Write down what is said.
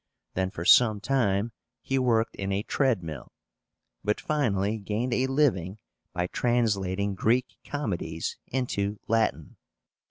Then for some time he worked in a treadmill, but finally gained a living by translating Greek comedies into Latin.